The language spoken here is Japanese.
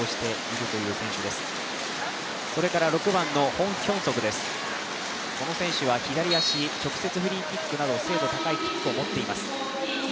ホン・ヒョンソクは左足、直接フリーキックなど精度が高いキックを持っています。